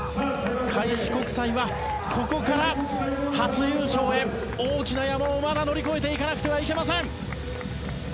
開志国際はここから初優勝へ大きな山をまだ乗り越えていかなくてはいけません。